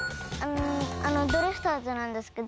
ドリフターズなんですけど。